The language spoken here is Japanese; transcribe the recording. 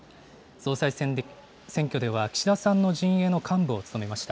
総裁選挙では岸田さんの陣営の幹部を務めました。